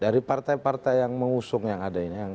dari partai partai yang mengusung yang ada ini